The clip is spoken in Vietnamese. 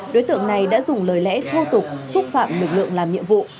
đối tượng này đã dùng lời lẽ thô tục xúc phạm lực lượng làm nhiệm vụ